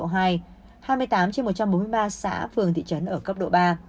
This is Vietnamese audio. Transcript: hai mươi tám trên một trăm bốn mươi ba xã phường thị trấn ở cấp độ ba